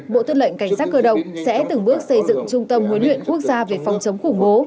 bộ tư lệnh cảnh sát cơ động sẽ từng bước xây dựng trung tâm huấn luyện quốc gia về phòng chống khủng bố